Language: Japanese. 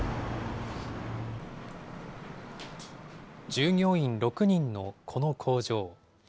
従業員６人のこの工場。